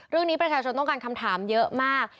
เรื่องนี้ประชาชนต้องการคำถามเยอะมาก